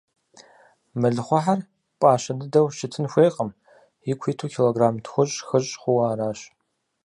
Мэлыхъуэхьэр пӀащэ дыдэу щытын хуейкъым, ику иту килограмм тхущӏ-хыщӏ хъууэ аращ.